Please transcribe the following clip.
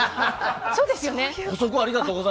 そうですよね？